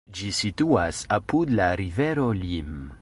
Ĝi situas apud la rivero Lim.